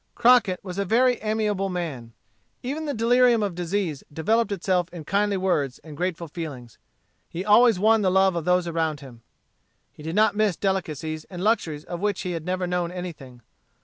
Crockett was a very amiable man. Even the delirium of disease developed itself in kindly words and grateful feelings. He always won the love of those around him. He did not miss delicacies and luxuries of which he had never known anything.